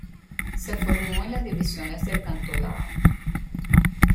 Se formo en las divisiones del Cantolao.